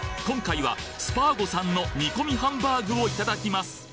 今回はスパーゴさんの煮込みハンバーグをいただきます